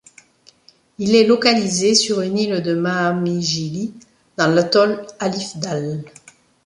Il est localisé sur une île de Maamigili dans l'atoll Alif Dhaal.